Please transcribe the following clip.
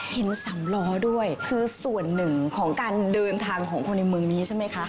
เห็นสำล้อด้วยคือส่วนหนึ่งของการเดินทางของคนในเมืองนี้ใช่ไหมคะ